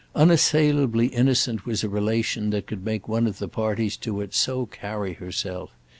Unassailably innocent was a relation that could make one of the parties to it so carry herself.